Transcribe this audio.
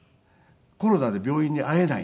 コロナで病院に会えないんです。